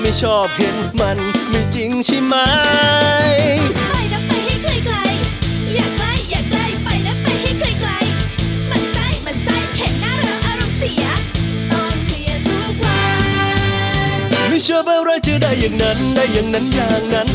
ชอบอะไรเธอได้อย่างนั้นได้อย่างนั้นอย่างนั้น